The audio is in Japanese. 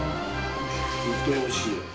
本当、おいしい。